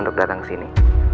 untuk datang kesini